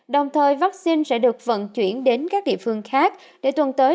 đồng thời vaccine sẽ được vận chuyển đến các địa phương khác để tuần tới